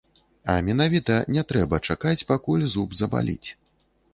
А менавіта, не трэба чакаць, пакуль зуб забаліць.